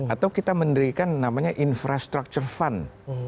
atau kita mendirikan namanya infrastructure fund